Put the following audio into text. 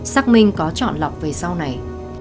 xác minh có chọn lọc về sau này